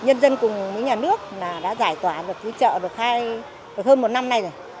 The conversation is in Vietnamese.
nhân dân cùng với nhà nước đã giải tỏa được cái chợ được hơn một năm nay rồi